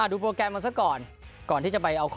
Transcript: ช่วยเทพธรรมไทยรัช